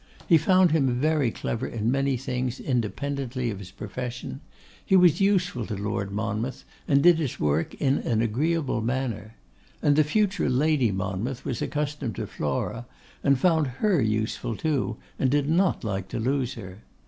He found him very clever in many things independently of his profession; he was useful to Lord Monmouth, and did his work in an agreeable manner. And the future Lady Monmouth was accustomed to Flora, and found her useful too, and did not like to lose her.